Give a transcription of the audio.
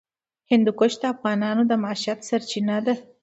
هندوکش د افغانانو د معیشت سرچینه ده.